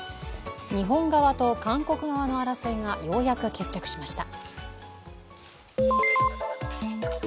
日本側と韓国側の争いがようやく決着しました。